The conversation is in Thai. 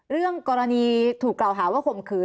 เรื่องกรณีถูกกล่าวหาว่าข่มขืน